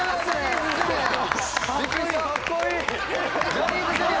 ジャニーズＪｒ．！